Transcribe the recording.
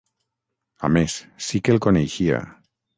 A més, sí que el coneixia...